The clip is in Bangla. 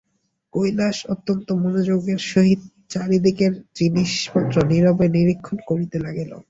কৈলাস অত্যন্ত মনোযোগের সহিত চারি দিকের জিনিসপত্র নীরবে নিরীক্ষণ করিতে লাগিল।